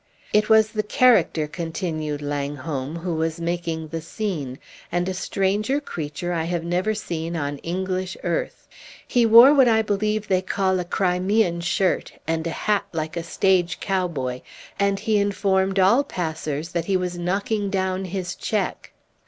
"It was the character," continued Langholm, "who was making the scene; and a stranger creature I have never seen on English earth. He wore what I believe they call a Crimean shirt, and a hat like a stage cowboy; and he informed all passers that he was knocking down his check!"